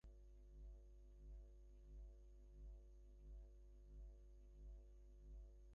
তুমি তোমার স্বামীকে ভালোবাসো, গভীর ভালোবাসার মধ্যেও তুমি সংযম দেখিয়েছ প্রচুর।